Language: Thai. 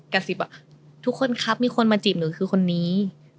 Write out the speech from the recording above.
กระซิบว่าทุกคนครับมีคนมาจีบหนูคือคนนี้